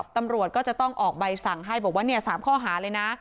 ตำรวจก็จะต้องออกใบสั่งให้บอกว่า๓ข้อหาเลยนะ